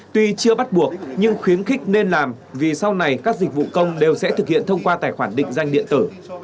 tuy chưa bắt buộc nhưng khuyến khích nên làm vì sau này các dịch vụ công đều sẽ thực hiện thông qua tài khoản định danh điện tử